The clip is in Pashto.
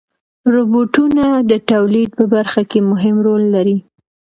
روبوټونه د تولید په برخه کې مهم رول لري.